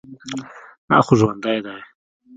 دا خو ژوندى دى.